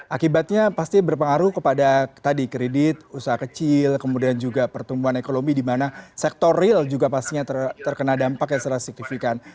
akibatnya pasti berpengaruh kepada tadi kredit usaha kecil kemudian juga pertumbuhan ekonomi di mana sektor real juga pastinya terkena dampak yang secara signifikan